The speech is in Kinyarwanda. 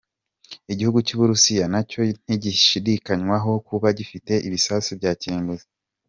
Igihugu cy’u Burusiya, nacyo ntigishidikanywaho kuba gifite ibisasu kirimbuzi.